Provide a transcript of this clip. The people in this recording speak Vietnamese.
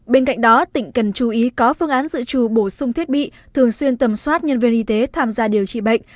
bên cạnh đó tỉnh cần chú ý có phương án dự trù bổ sung thiết bị thường xuyên tầm soát nhân viên y tế tham gia điều trị bệnh